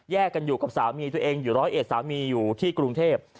กันอยู่กับสามีตัวเองอยู่ร้อยเอ็ดสามีอยู่ที่กรุงเทพ